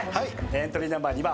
エントリーナンバー２番。